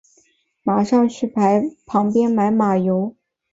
马上去旁边买马油